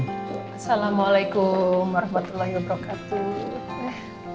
assalamualaikum warahmatullahi wabarakatuh